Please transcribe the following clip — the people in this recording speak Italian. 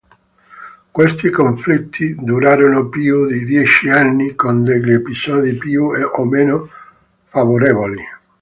Questi conflitti durarono più di dieci anni, con degli episodi più o meno favorevoli.